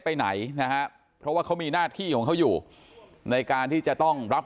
ไปไหนนะฮะเพราะว่าเขามีหน้าที่ของเขาอยู่ในการที่จะต้องรับ